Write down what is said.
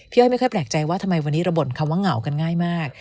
อ้อยไม่ค่อยแปลกใจว่าทำไมวันนี้เราบ่นคำว่าเหงากันง่ายมาก